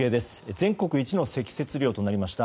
全国一の積雪量となりました